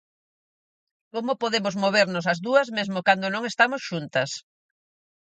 Como podemos movernos as dúas mesmo cando non estamos xuntas.